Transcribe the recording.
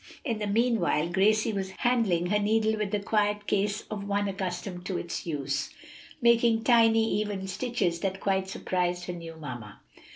In the mean while Gracie was handling her needle with the quiet ease of one accustomed to its use, making tiny even stitches that quite surprised her new mamma.